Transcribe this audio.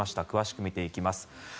詳しく見ていきます。